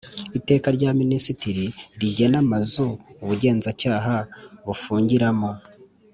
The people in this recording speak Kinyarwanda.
Iteka rya Minisitiri rigena amazu ubugenzacyaha bufungiramo